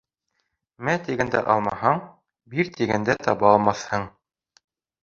«Мә» тигәндә алмаһаң, «бир» тигәндә табалмаҫһың.